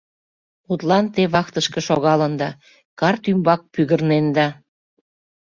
Мутлан, те вахтышке шогалында, карт ӱмбак пӱгырненда.